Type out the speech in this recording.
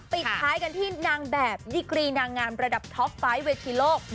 ปิดท้ายกันที่นางแบบดิกรีนางงามระดับท็อปไฟล์เวทีโลก